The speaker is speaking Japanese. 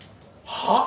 はっ？